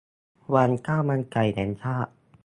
วันข้าวมันไก่แห่งชาติ